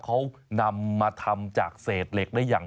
เขานำมาทำจากเศษเหล็กได้อย่าง